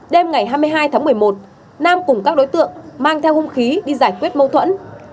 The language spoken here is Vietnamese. đêm ngày hai mươi hai tháng một mươi một nam cùng các đối tượng mang theo hung khí đi giải quyết mâu thuẫn